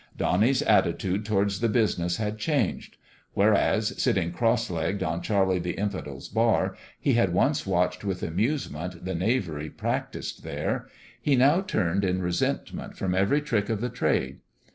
Donnie' s attitude towards the business had changed ; whereas, sitting cross legged on Charlie the Infidel's bar, he had once watched with amusement the knavery practiced there, he now turned in resentment from every trick of the trade.